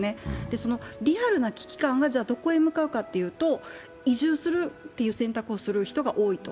そのリアルな危機感はどこへ向かうかというと移住するという選択をする人が多いと。